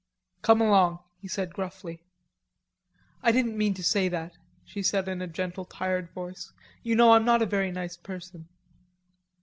"Come along," he said gruffly. "I didn't mean to say that," she said in a gentle, tired voice. "You know, I'm not a very nice person."